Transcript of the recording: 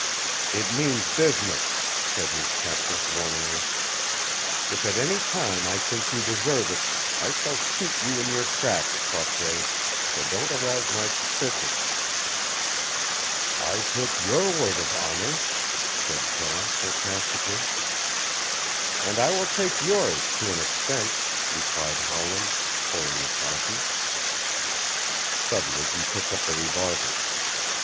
"It means business," said his captor warningly. "If at any time I think you deserve it I shall shoot you in your tracks, Croisset, so don't arouse my suspicions." "I took your word of honor," said Jean sarcastically. "And I will take yours to an extent," replied Howland, pouring the coffee. Suddenly he picked up the revolver.